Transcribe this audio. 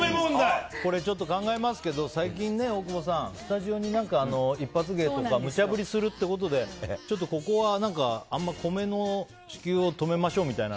ちょっと考えますけど大久保さん、最近スタジオに一発芸とかむちゃ振りするっていうことでここはあんまり米の支給を止めましょうみたいな。